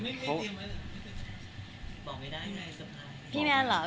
พี่แมนไม่ได้สังหรับสบาย